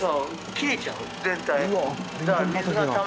切れちゃう全体。